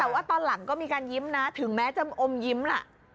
แต่ว่าตอนหลังก็มีการยิ้มนะถึงแม้จะอมยิ้มล่ะ